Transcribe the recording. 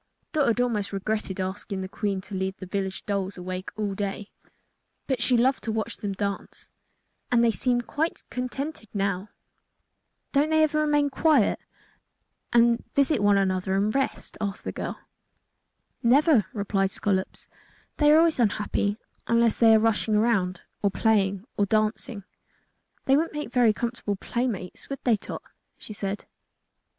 Dot had almost regretted asking the Queen to leave the village dolls awake all day; but she loved to watch them dance, and they seemed quite contented now. "Don't they ever remain quiet, and visit with each other, and rest?" asked the girl. "Never," replied Scollops. "They always are unhappy unless they are rushing around or playing or dancing." "They wouldn't make very comfortable playmates, would they, Tot?" she said.